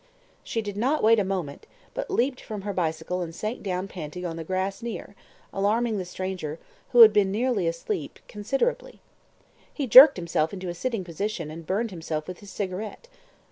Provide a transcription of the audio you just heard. She did not wait a moment, but leaped from her bicycle and sank down panting on the grass near, alarming the stranger who had been nearly asleep considerably. He jerked himself into a sitting position, and burned himself with his cigarette.